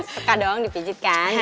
suka dong dipijit kan